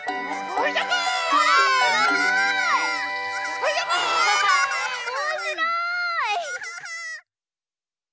おもしろい！